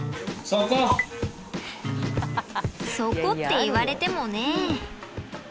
そこって言われてもねえ。